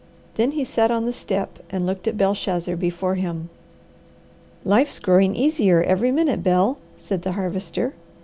Then he sat on the step and looked at Belshazzar before him. "Life's growing easier every minute, Bel," said the Harvester.